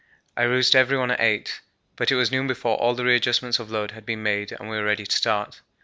I roused everyone at 8, but it was noon before all the readjustments of load had been made and we were ready to start.